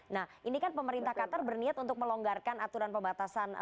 nah ini kan pemerintah qatar berniat untuk melonggarkan aturan pembatasan